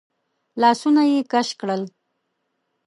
لاسونه يې کش کړل.